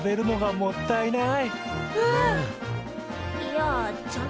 もったいない。